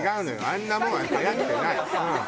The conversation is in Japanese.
あんなもんははやってない。